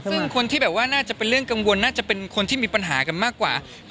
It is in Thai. ซึ่งคนที่แบบว่าน่าจะเป็นเรื่องกังวลน่าจะเป็นคนที่มีปัญหากันมากกว่า